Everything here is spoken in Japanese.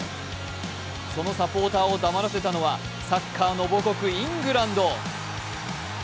そのサポーターをだまらせたのはサッカーの母国イングランド。